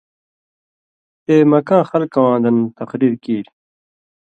تے مکّاں خلکہ واں دَن تقریر کیریۡ